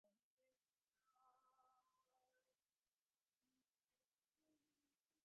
ކޮންޒަވޭޝަން އޮފިސަރ - އައްޑޫ ސިޓީ ހިތަދޫ